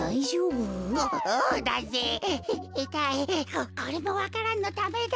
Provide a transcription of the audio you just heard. ここれもわか蘭のためだ。